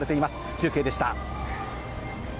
中継でした。